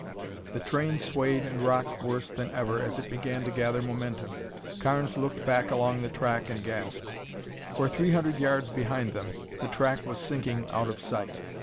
The train swayed and rocked worse than ever as it began to gather momentum. Carnes looked back along the track and gasped. For three hundred yards behind them, the track was sinking out of sight.